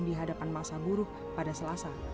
di hadapan masa buruh pada selasa